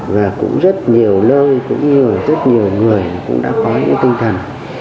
và cũng rất nhiều lơi cũng như rất nhiều người cũng đã có những tinh thần